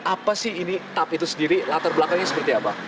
apa sih ini tap itu sendiri latar belakangnya seperti apa